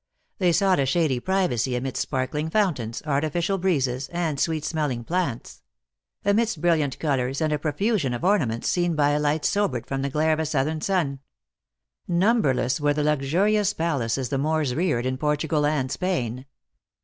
They sought a shady privacy amidst sparkling fountains, artificial breezes, and sweet smel ling plants ; amidst brilliant colors and a profusion of ornaments, seen by a light sobered from the glare of a southern sun. Numberless were the luxurious pal aces the Moors reared in Portugal and Spain.